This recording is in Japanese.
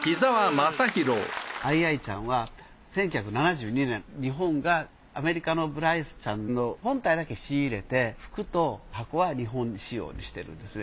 アイアイちゃんは１９７２年日本がアメリカのブライスちゃんの本体だけ仕入れて服と箱は日本仕様にしているんですね。